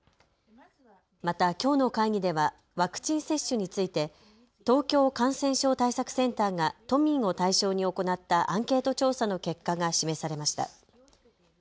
また、きょうの会議ではワクチン接種について東京感染症対策センターが都民を対象に行ったアンケート調査の結果が示されました。